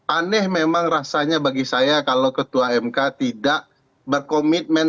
aneh memang rasanya bagi saya kalau ketua mk tidak berkomitmen